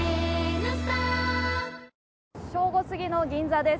正午すぎの銀座です。